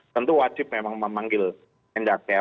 tentu wajib memanggil mendak ya